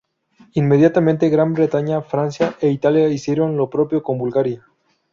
Inmediatamente Gran bretaña, Francia e Italia hicieron lo propio con Bulgaria.